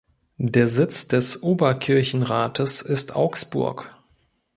Der Sitz des Oberkirchenrates ist Augsburg.